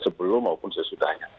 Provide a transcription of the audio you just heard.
sebelum maupun sesudahnya